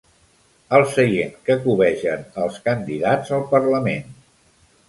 El seient que cobegen els candidats al Parlament.